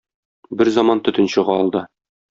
Берзаман төтен чыга алда.